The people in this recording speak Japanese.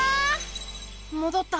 もどった！